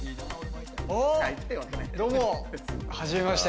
どうも初めまして。